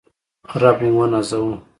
رب موونازوه